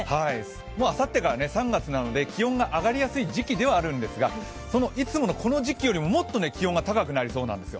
もうあさってから３月なので気温が上がりやすい時期なんですが、そのいつものこの時期よりも気温が高くなりそうなんですよ。